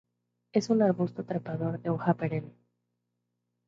Es un arbusto trepador de hoja perenne.